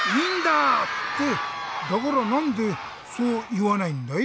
ってだからなんでそういわないんだい？